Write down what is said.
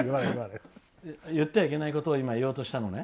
言ってはいけないことを今、言おうとしたのね？